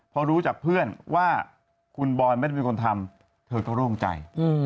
พอรู้จากเพื่อนว่าคุณบอยไม่ได้เป็นคนทำเธอก็โล่งใจ